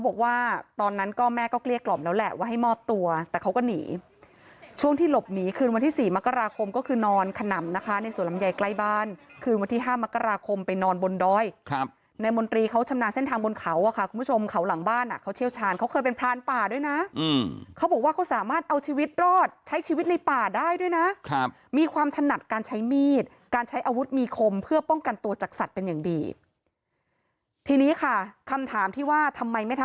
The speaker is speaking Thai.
บ้านคืนวันที่ห้ามมกราคมไปนอนบนด้อยครับในมนตรีเขาชำนาญเส้นทางบนเขาอ่ะค่ะคุณผู้ชมเขาหลังบ้านอ่ะเขาเชี่ยวชาญเขาเคยเป็นพรานป่าด้วยน่ะอืมเขาบอกว่าเขาสามารถเอาชีวิตรอดใช้ชีวิตในป่าได้ด้วยน่ะครับมีความถนัดการใช้มีดการใช้อาวุธมีคมเพื่อป้องกันตัวจากสัตว์เป็นอย่างดีทีน